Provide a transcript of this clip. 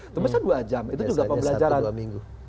itu biasanya dua jam itu juga pembelajaran